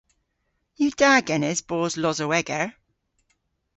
Yw da genes boos losoweger?